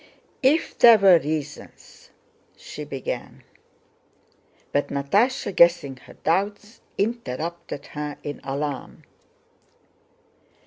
"If there were reasons..." she began. But Natásha, guessing her doubts, interrupted her in alarm.